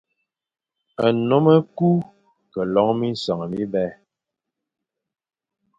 Nnôm e ku ke lon minseñ mibè.